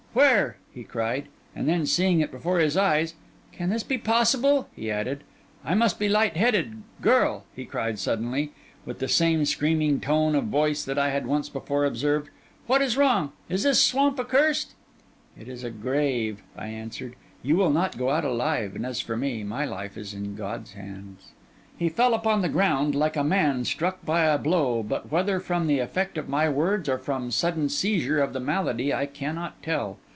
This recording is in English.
'Where?' he cried; and then, seeing it before his eyes, 'Can this be possible?' he added. 'I must be light headed. Girl,' he cried suddenly, with the same screaming tone of voice that I had once before observed, 'what is wrong? is this swamp accursed?' 'It is a grave,' I answered. 'You will not go out alive; and as for me, my life is in God's hands.' He fell upon the ground like a man struck by a blow, but whether from the effect of my words, or from sudden seizure of the malady, I cannot tell.